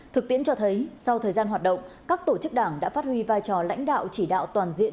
thực tiễn cho thấy sau thời gian hoạt động các tổ chức đảng đã phát huy vai trò lãnh đạo chỉ đạo toàn diện